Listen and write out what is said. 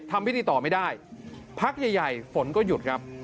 ทำพิธีต่อไม่ได้พักใหญ่ฝนก็หยุดครับ